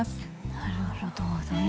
なるほどね。